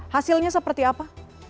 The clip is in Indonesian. hasilnya seperti apa